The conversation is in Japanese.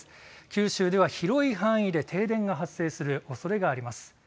九州では広い範囲で停電が発生するおそれがあります。